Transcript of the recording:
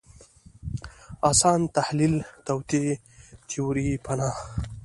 اسان تحلیل توطیې تیوري پناه